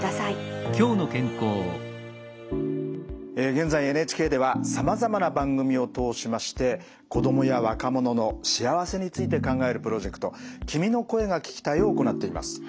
現在ＮＨＫではさまざまな番組を通しまして子供や若者の幸せについて考えるプロジェクト「君の声が聴きたい」を行っています。